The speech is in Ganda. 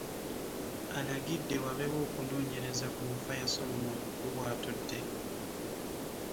Alagidde wabeewo okunoonyereza ku nfa ya Solomon Gubwatudde.